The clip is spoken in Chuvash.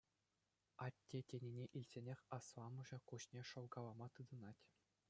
«Атте» тенине илтсенех асламӑшӗ куҫне шӑлкалама тытӑнать.